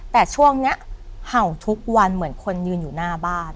แต่ช่วงนี้เห่าทุกวันเหมือนคนยืนอยู่หน้าบ้าน